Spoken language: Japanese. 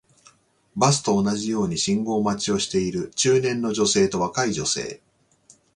バスと同じように信号待ちをしている中年の女性と若い女性